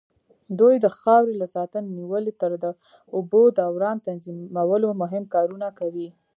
دوی د خاورې له ساتنې نيولې تر د اوبو دوران تنظيمولو مهم کارونه کوي.